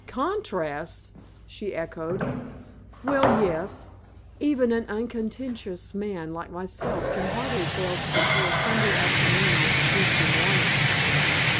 "Contrasts!" she echoed. "Well, yes. Even an uncontentious man like myself can hardly fail to compare Sunday afternoon with Tuesday morning."